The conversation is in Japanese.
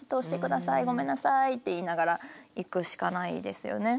ごめんなさい」って言いながら行くしかないですよね。